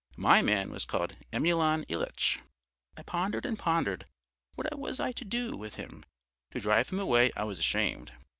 My man was called Emelyan Ilyitch. I pondered and pondered what I was to do with him. To drive him away I was ashamed.